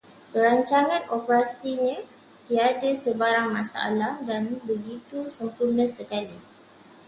Perancangan operasinya tiada sebarang masalah dan begitu sempurna sekali